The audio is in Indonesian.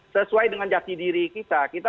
sesuai dengan jati diri kita kita